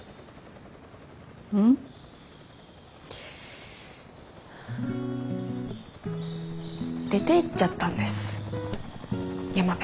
うん？出ていっちゃったんです山辺